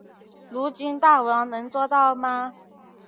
如今大王能做到吗？